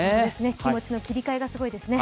気持ちの切り替えがすごいですね。